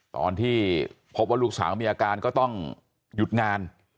ตอนที่พบว่าลูกสาวมีอาการก็ต้องหยุดงาน